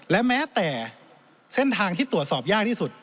และแม้แต่เส้นทางที่ตรวจสอบยากที่สุด